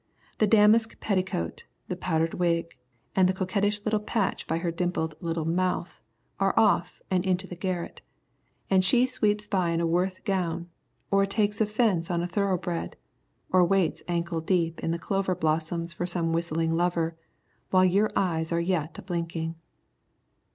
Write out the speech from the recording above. The damask petticoat, the powdered wig, and the coquettish little patch by her dimpled little mouth are off and into the garret, and she sweeps by in a Worth gown, or takes a fence on a thoroughbred, or waits ankle deep in the clover blossoms for some whistling lover, while your eyes are yet a blinking.